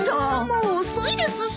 もう遅いですし。